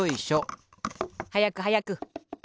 はやくはやく。